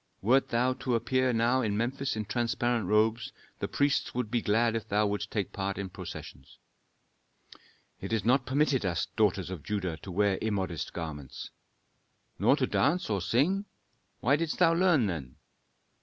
Wert thou to appear now in Memphis in transparent robes, the priests would be glad if thou wouldst take part in processions." "It is not permitted us daughters of Judah to wear immodest garments." "Nor to dance or sing? Why didst thou learn, then?"